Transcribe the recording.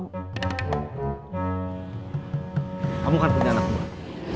kamu kan punya anak buah